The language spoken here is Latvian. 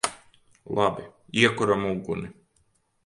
Labi. Iekuram uguni!